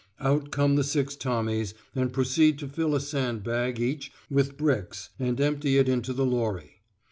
Out come the six Tommies and proceed to fill a sand bag each with bricks and empty it into the lorry.